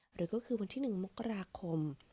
หรือก็คือวันที่๑มกราคม